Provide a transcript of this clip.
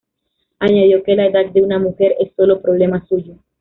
Añadió que la edad de una mujer es sólo problema suyo.